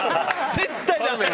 絶対だめね。